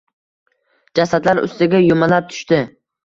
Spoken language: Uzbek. jasadlar ustiga yumalab tushdi!